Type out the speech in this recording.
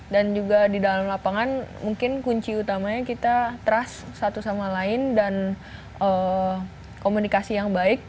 dan juga di dalam lapangan mungkin kunci utamanya kita trust satu sama lain dan komunikasi yang baik